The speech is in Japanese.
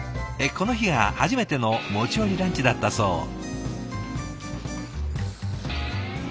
この日が初めての持ち寄りランチだったそう。